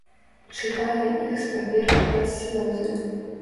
Чытае іх з паперкі праз слёзы.